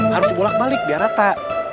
harus dibolak balik biar rata